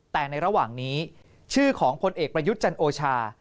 แต่ในระหว่างนี้ชื่อของพลเอกประยุทธ์จันโอชา